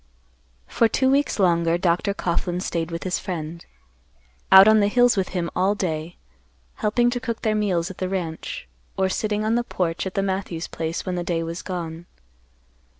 For two weeks longer, Dr. Coughlan staid with his friend; out on the hills with him all day, helping to cook their meals at the ranch, or sitting on the porch at the Matthews place when the day was gone.